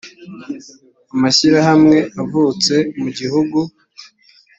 amashyirahamwe avutse mu gihugu